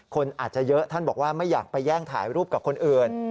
คนอาจจะเยอะท่านบอกว่าไม่อยากไปแย่งถ่ายรูปกับคนอื่น